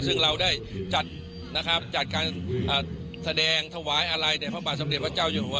ซึ่งเราได้จัดการแสดงถวายอะไรในพระบาทสำเร็จพระเจ้าอย่างหัว